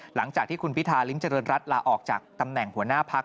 หลังจากที่คุณพิธาริมเจริญรัฐลาออกจากตำแหน่งหัวหน้าพัก